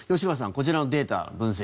こちらのデータ分析。